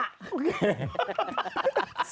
โอเค